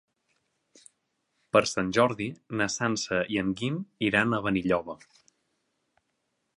Per Sant Jordi na Sança i en Guim iran a Benilloba.